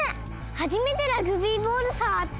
はじめてラグビーボールさわった！